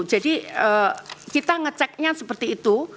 jadi kita ngeceknya seperti itu